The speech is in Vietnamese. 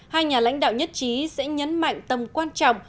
hai nhà lãnh đạo nhất trí sẽ nhấn mạnh tầm quan trọng